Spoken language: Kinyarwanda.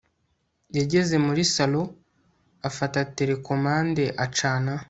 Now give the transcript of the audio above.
Yageze muri sallon afata terekomande acana